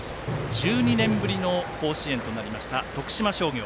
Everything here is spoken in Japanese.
１２年ぶりの甲子園となりました徳島商業。